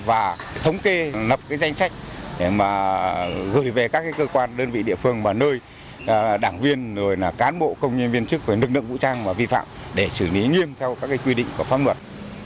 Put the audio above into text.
và thống kê lập danh sách để mà gửi về các cơ quan đơn vị địa phương và nơi đảng viên rồi là cán bộ công nhân viên chức lực lượng vũ trang vi phạm để xử lý nghiêm theo các quy định của pháp luật